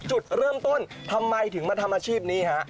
จุดเริ่มต้นทำไมถึงมาทำอาชีพนี้ฮะ